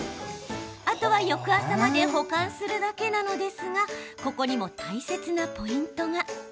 あとは翌朝まで保管するだけなのですがここにも大切なポイントが。